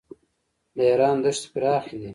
د ایران دښتې پراخې دي.